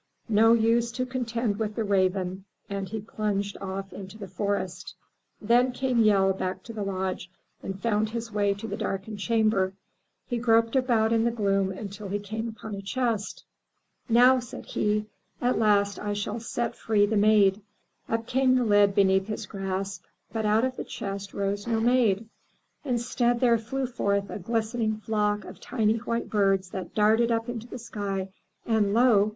"No use to contend with the Raven!" And he plunged off into the forest. . Then came Yehl back to the lodge and foimd his way to the rnmsF 224 THROUGH FAIRY HALLS darkened chamber. He groped about in the gloom till he came upon a chest. "Now/' said he, "at last I shall set free the Maid." Up came the lid beneath his grasp, but out of the chest rose no Maid. Instead, there flew forth a glistening flock of tiny white birds that darted up into the sky and lo!